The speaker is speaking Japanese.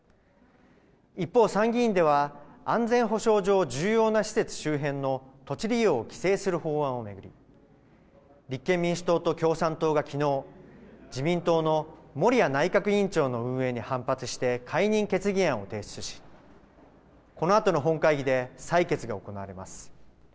一方、参議院では安全保障上重要な施設周辺の土地利用を規制する法案を巡り立憲民主党と共産党がきのう、自民党の森屋内閣委員長の運営に反発して解任決議案を提出し、このあとの本会議で採決が行われます。